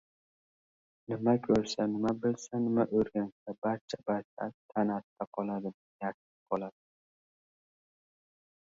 Nima ko‘rsa, nima bilsa, nima o‘rgansa, barcha-barchasi tanasida qoladi, miyasida qoladi.